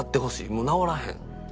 もう直らへん？